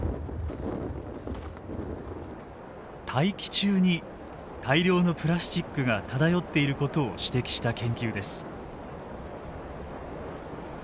大気中に大量のプラスチックが漂っていることを指摘した研究です。